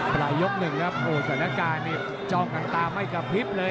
ปลายยก๑สถานการณ์เจาะกลางตาไม่กปิ๊บเลย